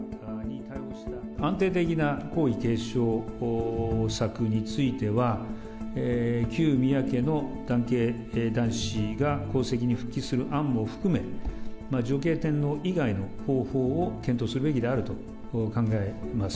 安定的な皇位継承策については、旧宮家の男系男子が皇籍に復帰する案も含め、女系天皇以外の方法を検討するべきであると考えます。